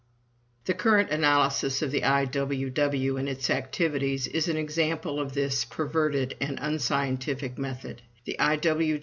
The current analysis of the I.W.W. and its activities is an example of this perverted and unscientific method. The I.W.W.